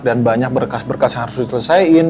dan banyak berkas berkas yang harus ditelesaikan